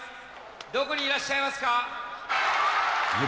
どこにいらっしゃいますか。